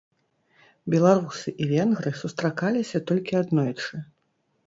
Беларусы і венгры сустракаліся толькі аднойчы.